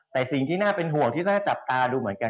แต่สิ่งที่น่าเป็นห่วงที่น่าจับตาดูเหมือนกัน